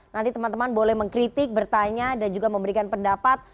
nanti teman teman boleh mengkritik bertanya dan juga memberikan pendapat